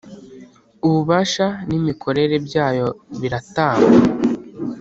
ububasha ni mikorere byayo biratangwa